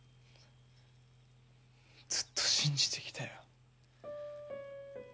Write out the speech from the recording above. ずっと信じてきたよ。